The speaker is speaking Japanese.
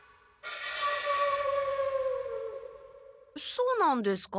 そうなんですか？